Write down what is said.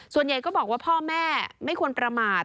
ส่วนใหญ่ก็บอกว่าพ่อแม่ไม่ควรประมาท